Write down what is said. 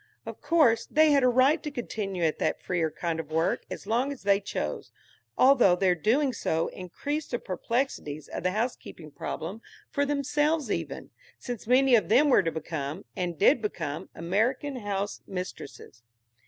Of course they had a right to continue at that freer kind of work as long as they chose, although their doing so increased the perplexities of the housekeeping problem for themselves even, since many of them were to become, and did become, American house mistresses.